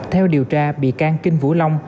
theo điều tra bị can kinh vũ long